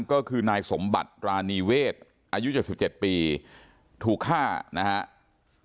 ก็คือนายสมบัติรานีเวศอายุ๗๗ปีถูกฆ่านะครับ